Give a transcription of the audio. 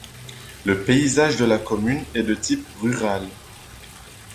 Le paysage de la commune est de type rural.